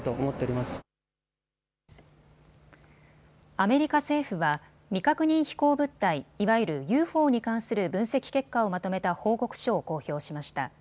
アメリカ政府は未確認飛行物体、いわゆるＵＦＯに関する分析結果をまとめた報告書を公表しました。